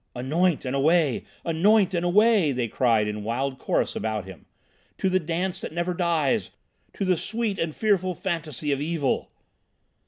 "Anoint and away! Anoint and away!" they cried in wild chorus about him. "To the Dance that never dies! To the sweet and fearful fantasy of evil!"